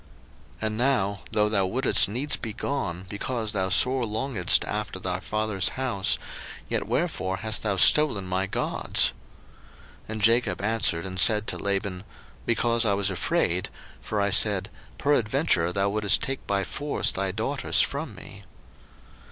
01:031:030 And now, though thou wouldest needs be gone, because thou sore longedst after thy father's house, yet wherefore hast thou stolen my gods? 01:031:031 And Jacob answered and said to Laban, Because I was afraid: for I said, Peradventure thou wouldest take by force thy daughters from me.